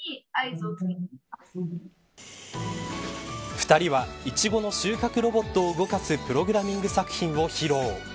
２人はイチゴの収穫ロボットを動かすプログラミング作品を披露。